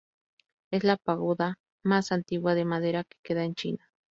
Es la pagoda más antigua de madera que queda en China.